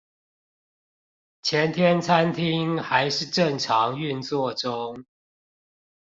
前天餐廳還是正常運作中